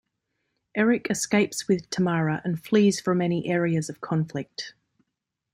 Erik escapes with Tamara and flees from any areas of conflict.